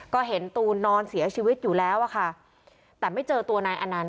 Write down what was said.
ก็เห็นตูนนอนเสียชีวิตอยู่แล้วอะค่ะแต่ไม่เจอตัวนายอนันต